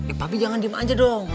eh papi jangan diem aja dong